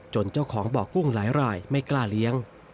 เจ้าของบ่อกุ้งหลายรายไม่กล้าเลี้ยง